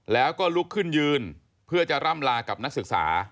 แล้วก็ลุกขึ้นยืนเพื่อจะร่ำลากับนักศึกษา